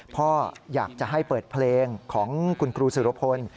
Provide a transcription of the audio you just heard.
พ่ออยากจะให้เปิดเพลงของคุณครูสุรพล